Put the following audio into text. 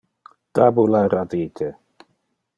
Tabula radite.